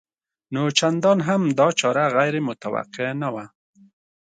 نو چندان هم دا چاره غیر متوقع نه وه